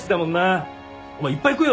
お前いっぱい食えよ。